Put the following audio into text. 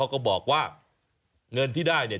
ก็บอกว่าเงินที่ได้เนี่ย